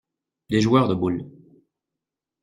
Des joueurs de boules.